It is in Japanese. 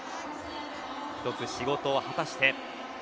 一つ仕事を果たして。